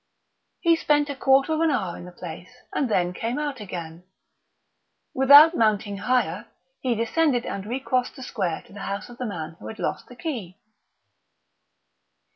He spent a quarter of an hour in the place, and then came out again. Without mounting higher, he descended and recrossed the square to the house of the man who had lost the key.